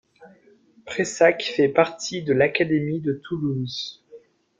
Prayssac fait partie de l'académie de Toulouse.